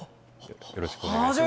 よろしくお願いします。